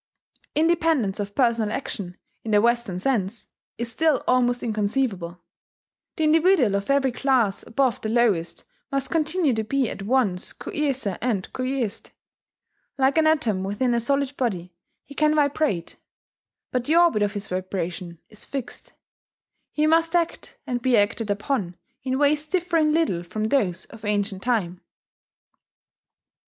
Independence of personal action, in the Western sense, is still almost inconceivable. The individual of every class above the lowest must continue to be at once coercer and coerced. Like an atom within a solid body, he can vibrate; but the orbit of his vibration is fixed. He must act and be acted upon in ways differing little from those of ancient time.